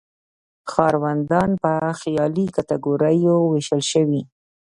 ښاروندان په خیالي کټګوریو ویشل شوي.